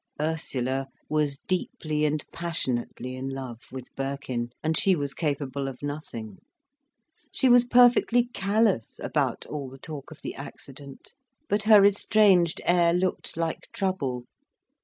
Ursula was deeply and passionately in love with Birkin, and she was capable of nothing. She was perfectly callous about all the talk of the accident, but her estranged air looked like trouble.